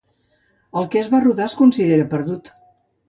El que es va rodar es considera perdut.